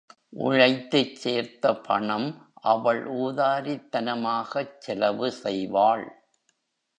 உழைத்துச் சேர்த்த பணம் அவள் ஊதாரித் தனமாகச் செலவு செய்வாள்.